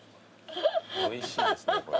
おいしいですねこれ。